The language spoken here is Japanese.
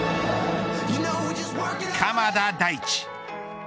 鎌田大地。